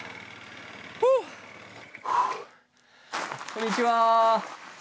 こんにちは。